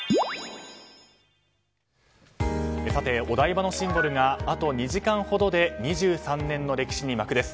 お台場のシンボルがあと２時間ほどで２３年の歴史に幕です。